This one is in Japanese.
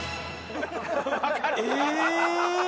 え？